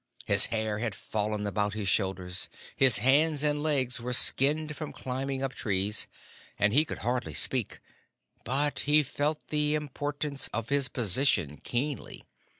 His hair had fallen about his shoulders; his hands and legs were skinned from climbing up trees, and he could hardly speak, but he felt the importance of his position keenly.